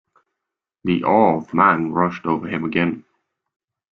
The awe of man rushed over him again.